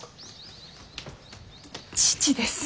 父です。